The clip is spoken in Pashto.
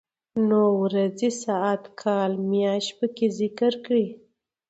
نو ورځې ،ساعت، کال ،مياشت پکې ذکر کړي.